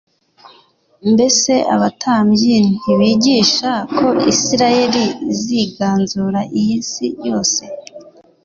Mbese abatambyi ntibigishaga ko Isiraeli iziganzura isi yose?